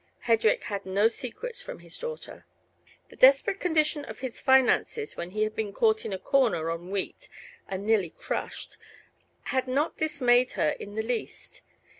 Hedrik had no secrets from his daughter. The desperate condition of his finances, when he had been caught in a "corner" on wheat and nearly crushed, had not dismayed her in the least.